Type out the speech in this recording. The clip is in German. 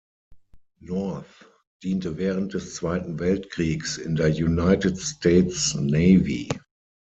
North diente während des Zweiten Weltkriegs in der United States Navy.